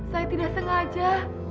saya tidak sengaja